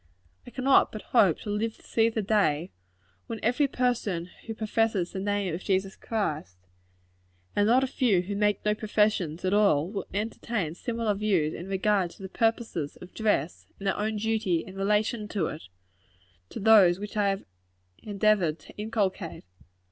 I cannot but hope to live to see the day, when every person who professes the name of Jesus Christ, and not a few who make no professions at all, will entertain similar views in regard to the purposes of dress and their own duty in relation to it, to those which I have endeavored to inculcate.